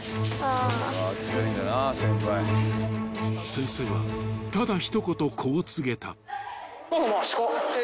［先生はただ一言こう告げた］